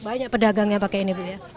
banyak pedagang yang pakai ini bu ya